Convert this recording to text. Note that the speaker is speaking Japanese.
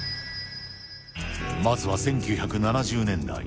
まずは１９７０年代。